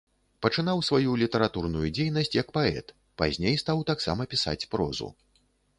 Пачынаў сваю літаратурную дзейнасць як паэт, пазней стаў таксама пісаць прозу.